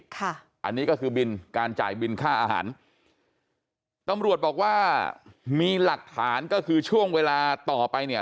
ค่ะอันนี้ก็คือบินการจ่ายบินค่าอาหารตำรวจบอกว่ามีหลักฐานก็คือช่วงเวลาต่อไปเนี่ย